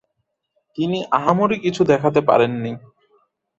তিনি আহামরি কিছু দেখাতে পারেননি।